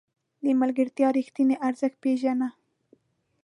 د ملګرتیا رښتیني ارزښت پېژنه.